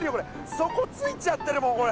そこついちゃってるもんこれ！